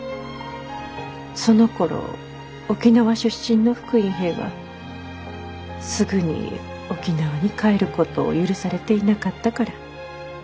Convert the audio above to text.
そのころ沖縄出身の復員兵はすぐに沖縄に帰ることを許されていなかったから。